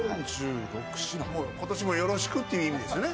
今年もよろしくっていう意味ですね。